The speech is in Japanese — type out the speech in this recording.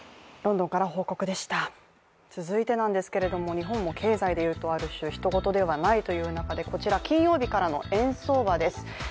続いてなんですけれども日本も経済で言うとある種、ひと事ではないという中でこちら、金曜日からの円相場です。